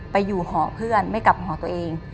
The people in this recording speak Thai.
ไปอยู่หอเพื่อนไม่กลับหอตัวเอง